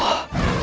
yang maha kuat